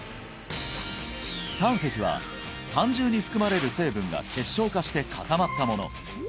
胆石は胆汁に含まれる成分が結晶化して固まったもの